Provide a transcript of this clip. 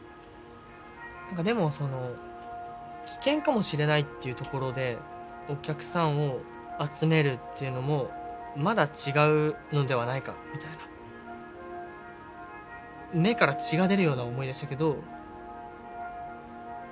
何かでもその危険かもしれないっていうところでお客さんを集めるっていうのもまだ違うのではないかみたいな。ということを言って。